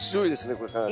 これかなり。